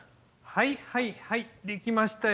はいはいはい出来ましたよ。